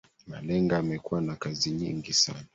Malenga amekuwa na kazi nyingi sana